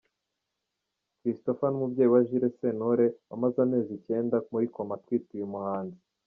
Christopher n'umubyeyi wa Jules Sentore wamaze amezi icyenda muri Koma atwite uyu muhanzi.